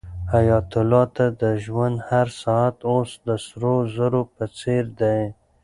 حیات الله ته د ژوند هر ساعت اوس د سرو زرو په څېر دی.